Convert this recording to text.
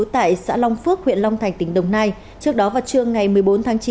tại xã long phước huyện long thành tỉnh đồng nai trước đó vào trưa ngày một mươi bốn tháng chín